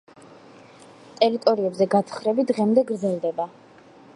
ტერიტორიებზე გათხრები დღემდე გრძელდება.